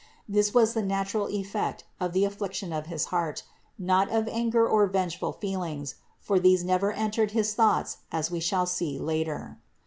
This was the natural effect of the affliction of his heart, not of anger or vengeful feelings; for these never entered his thoughts, as we shall see later.